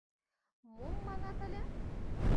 Мом манат ыле?